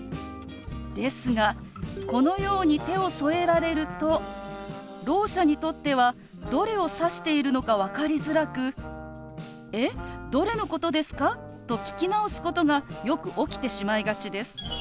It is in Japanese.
ですがこのように手を添えられるとろう者にとってはどれを指しているのか分かりづらく「えっ？どれのことですか？」と聞き直すことがよく起きてしまいがちです。